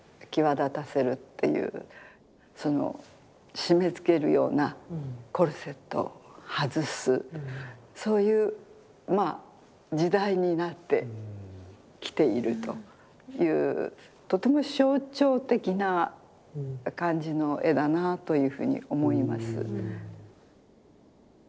その締めつけるようなコルセットを外すそういうまあ時代になってきているというとても象徴的な感じの絵だなというふうに思います。